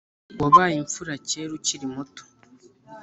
Wabaye imfura kera ukiri muto